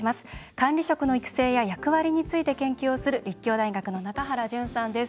管理職の育成や役割について研究をする立教大学の中原淳さんです。